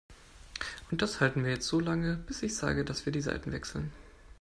Und das halten wir jetzt so lange, bis ich sage, dass wir die Seiten wechseln.